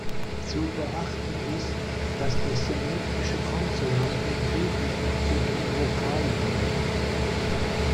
Zu beachten ist, dass der semitische Konsonant im Griechischen zu einem Vokal wurde.